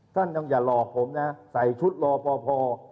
ท่านต้องอย่าหลอกผมนะใส่ชุดรอพอพอ